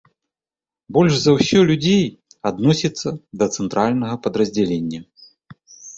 Больш за ўсё людзей адносіцца да цэнтральнага падраздзялення.